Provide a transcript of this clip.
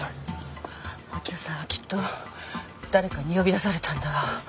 明生さんはきっと誰かに呼び出されたんだわ。